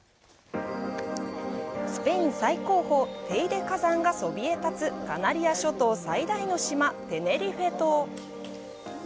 スペイン最高峰、テイデ火山がそびえ立つカナリア諸島最大の島、テネリフェ島。